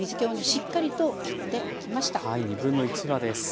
しっかりときっておきました。